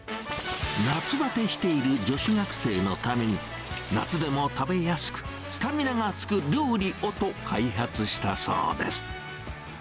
夏ばてしている女子学生のために、夏でも食べやすく、スタミナがつく料理をと、開発したそうです。